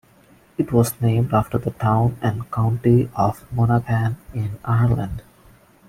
It was named after the town and county of Monaghan in Ireland.